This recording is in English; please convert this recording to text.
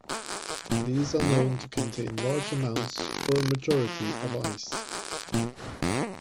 These are known to contain large amounts, or a majority, of ice.